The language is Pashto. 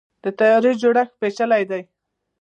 د طیارې جوړښت پیچلی دی.